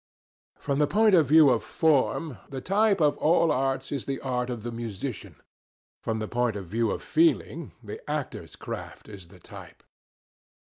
From the point of view of form, the type of all the arts is the art of the musician. From the point of view of feeling, the actor's craft is the type.